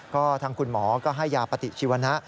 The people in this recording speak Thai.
ก็ทางคุณหมอก็ให้ยาปฏิชีวนะ